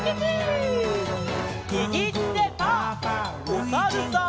おさるさん。